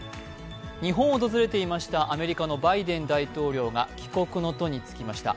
日本を訪れていましたアメリカのバイデン大統領が帰国の途につきました。